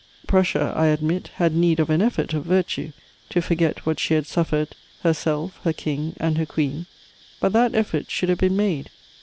Prussia, I admit, had need of an effort of virtue to forget what she had suffered, herself, her King and her Queen; but that effort should have been made.